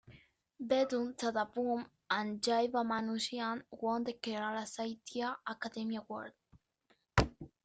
"Veedum Thadavum" and "Jaivamanushyan" won the Kerala Sahithya Academy Award.